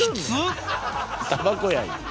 たばこや。